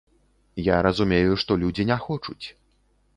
Я разумею, што людзі не хочуць.